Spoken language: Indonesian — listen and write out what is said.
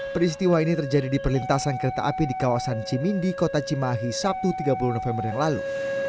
peristiwa ini terjadi di perlintasan kereta api di kawasan cimindi kota cimahi sabtu tiga puluh november yang lalu